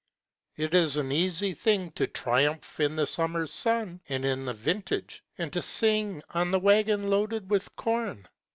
It is an easy thing to triumph in the summer's sun And in the vintage and to sing on the waggon loaded with corn.